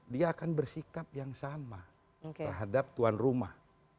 dia akan bersikap yang sama terhadap tuan rumah